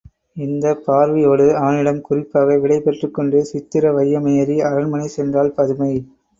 இந்தப் பார்வையோடு அவனிடம் குறிப்பாக விடை பெற்றுக்கொண்டு சித்திர வையமேறி அரண்மனை சென்றாள் பதுமை.